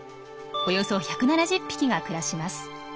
およそ１７０匹が暮らします。